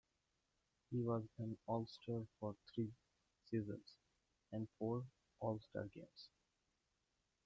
He was an All-Star for three seasons and four All-Star games.